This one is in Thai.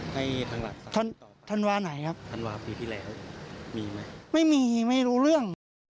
ให้ทางหลักครับท่านตอบธันวาไหนครับธันวาปีที่แล้วมีไหมไม่มีไม่รู้เรื่อง